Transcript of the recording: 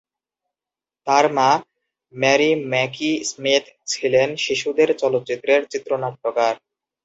তার মা, Mary Mackie Smith, ছিলেন শিশুদের চলচ্চিত্রের চিত্রনাট্যকার।